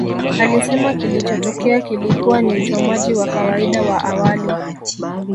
Alisema kilichotokea kilikuwa ni uchomaji wa kawaida wa awali